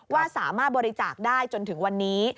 ว่าสามารถบริจาคได้จนถึงวันนี้